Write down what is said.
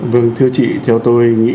vâng thưa chị theo tôi nghĩ